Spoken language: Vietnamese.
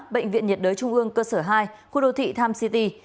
bệnh viện nhiệt đới trung ương cơ sở hai khu đô thị times city